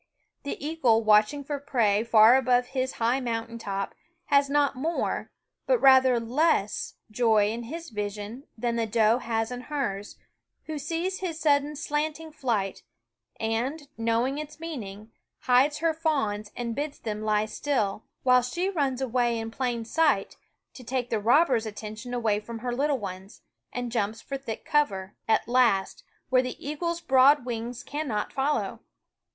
The eagle watch ing for prey far above his high mountain top has not more, but rather less, joy in his vision than the doe has in hers, who sees his sudden slanting flight and, knowing its meaning, hides her fawns and bids them lie still ; while she runs away in plain sight, to take the robber's attention away from her little ones, and jumps for thick cover, at last, where the eagle's broad wings cannot follow.